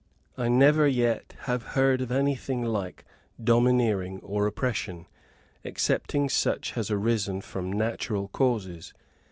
I never yet have heard of anything like domineering or oppression, excepting such as has arisen from natural causes.